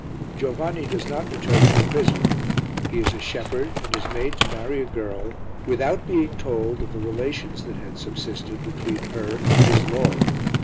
Giovanni does not return from prison; he is a shepherd and is made to marry a girl without being told of the relations that had subsisted between her and his lord.